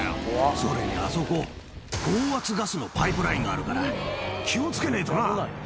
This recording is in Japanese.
それにあそこ、高圧ガスのパイプラインがあるから、気をつけないとな。